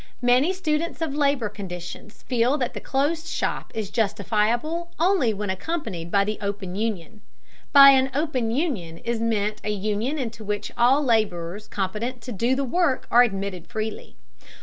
Many students of labor conditions feel that the closed shop is justifiable only when accompanied by the open union. By an open union is meant a union into which all laborers competent to do the work are admitted freely.